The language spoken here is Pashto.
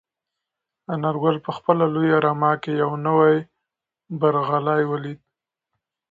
انارګل په خپله لویه رمه کې یو نوی برغلی ولید.